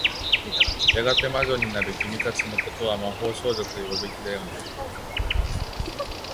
やがて魔女になる君たちの事は、魔法少女と呼ぶべきだよね。